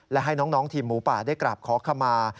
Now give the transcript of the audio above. และให้น้องทีมหมูป่าได้กราบขอขมา